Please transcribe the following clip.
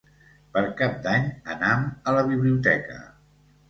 Per Cap d'Any anam a la biblioteca.